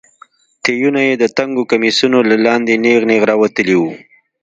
تيونه يې د تنګو کميسونو له لاندې نېغ نېغ راوتلي وو.